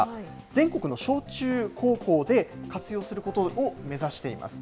全国の小中高校で、活用することを目指しています。